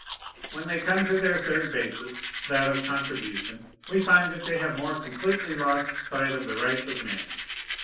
When they come to their third basis, that of Contribution, we find that they have more completely lost sight of the rights of men.